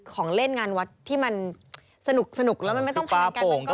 ของเล่นงานวัดที่มันสนุกแล้วมันไม่ต้องพนันกัน